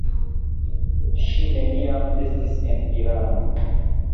Ŝi neniam estis en Irano.